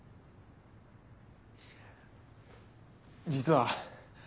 実は。